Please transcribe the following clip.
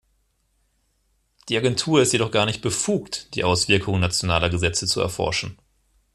Die Agentur ist jedoch gar nicht befugt, die Auswirkungen nationaler Gesetze zu erforschen.